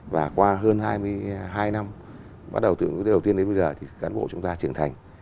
và qua hơn hai mươi hai năm bắt đầu từ đầu tiên đến bây giờ thì cán bộ chúng ta trưởng thành